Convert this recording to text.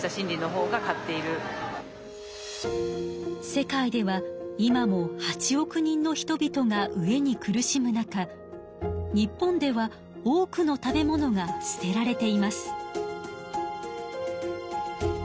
世界では今も８億人の人びとが飢えに苦しむ中日本では多くの食べ物が捨てられています。